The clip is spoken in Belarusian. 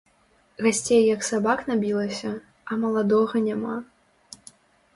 Гасцей як сабак набілася, а маладога няма.